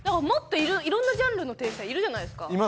もっといろんなジャンルの天才いるじゃないですか。